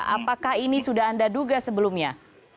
apakah ini sudah anda duga sebelumnya